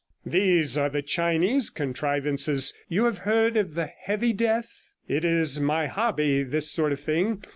These are the Chinese contrivances; you have heard of the "Heavy Death"? It is my hobby, this sort of thing.